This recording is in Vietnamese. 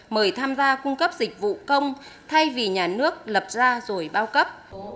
mời tham gia cung cấp dịch vụ công thay vì nhà nước lập ra rồi bao cấp